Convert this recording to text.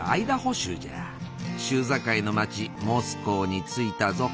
州境の町モスコーに着いたぞ。